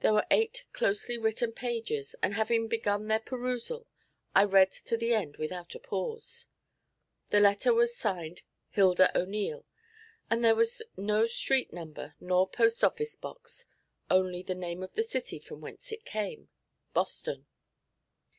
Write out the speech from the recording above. There were eight closely written pages, and having begun their perusal, I read to the end without a pause. The letter was signed 'Hilda O'Neil,' and there was no street number nor post office box, only the name of the city from whence it came, Boston.